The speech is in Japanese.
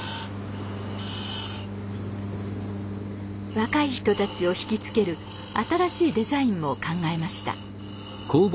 若い人たちを引き付ける新しいデザインを考えました。